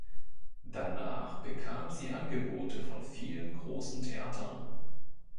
Danach bekam sie Angebote von vielen großen Theatern.